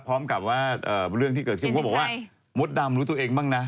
พร้อมกับว่าเรื่องที่เกิดขึ้นก็บอกว่ามดดำรู้ตัวเองบ้างนะ